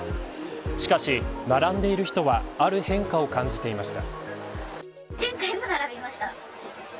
しかし、並んでいる人はある変化を感じていました。